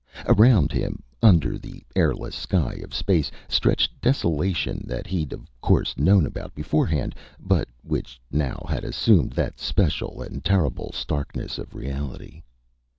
Around him, under the airless sky of space, stretched desolation that he'd of course known about beforehand but which now had assumed that special and terrible starkness of reality.